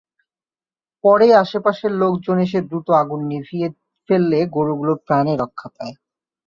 পরে আশপাশের লোকজন এসে দ্রুত আগুন নিভিয়ে ফেললে গরুগুলো প্রাণে রক্ষা পায়।